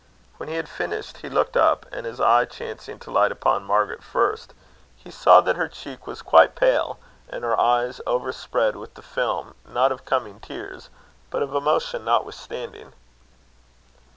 When he had finished, he looked up, and his eye chancing to light upon Margaret first, he saw that her cheek was quite pale, and her eyes overspread with the film, not of coming tears, but of emotion notwithstanding.